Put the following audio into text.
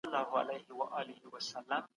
داسې نه ده چې خپل د خوښې کس اسمان ته پورته کړو.